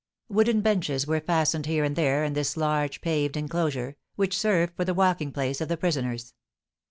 Wooden benches were fastened here and there in this large paved enclosure, which served for the walking place of the prisoners.